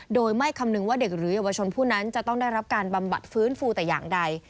โดยไม่คำนึงว่าเด็กหรือเยาวชนผู้นั้นจะต้องได้รับการบำบัดฟื้นฟูแต่อย่างใด